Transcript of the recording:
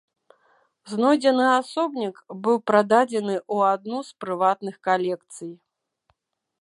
Знойдзены асобнік быў прададзены ў адну з прыватных калекцый.